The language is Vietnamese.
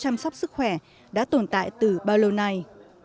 các bệnh nhân sắp sức khỏe đã tồn tại từ bao lâu nay